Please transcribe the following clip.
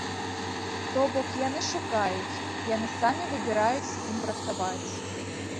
То бок, яны шукаюць, яны самі выбіраюць, з кім працаваць.